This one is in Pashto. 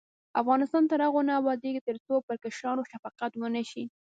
افغانستان تر هغو نه ابادیږي، ترڅو پر کشرانو شفقت ونشي.